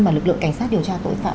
mà lực lượng cảnh sát điều tra tội phạm